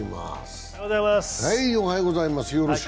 おはようございます、よろしく。